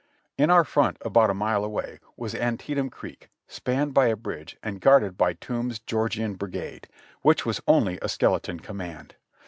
In our front about a mile away was Antietam Creek, spanned by a bridge and guarded by Toombs's Georgian Brigade, which was only a skeleton command.